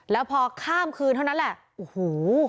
แล้วพอข้ามคืนเท่านั้นแหละโอ้โห